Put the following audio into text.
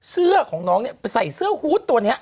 เสื้อของน้องเนี่ยใส่เสื้อฮูตตัวนี้